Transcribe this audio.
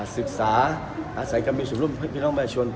ศึกษาอาศัยกรรมิสุนุมบทพี่น้องประชาชน